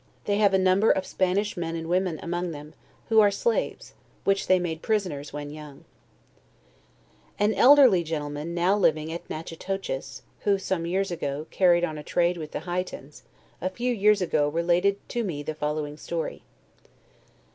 They have a num ber of Spanish men and women among them, who are slaves, which they made prisoners when young. 152 JOURNAL OF An elderly gentleman now living at Natchitoches, who, some years ago, carried on a trade with the Hietans, a few years ago, related to me the following story.